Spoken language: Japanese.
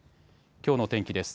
きょうの天気です。